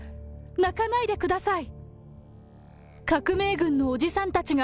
泣かないでください。